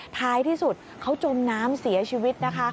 ท้ายที่สุดเขาจมน้ำเสียชีวิตนะคะ